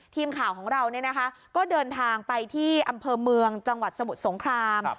ทีมข่าวของเราก็เดินทางไปที่อำเภอเมืองจังหวัดสมุทรสงคราม